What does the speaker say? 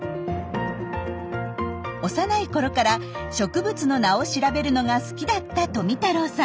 幼いころから植物の名を調べるのが好きだった富太郎さん。